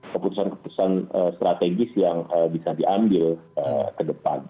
keputusan keputusan strategis yang bisa diambil ke depan